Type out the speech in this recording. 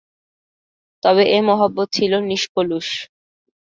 তবে এ মহব্বত ছিল নিষ্কলুষ।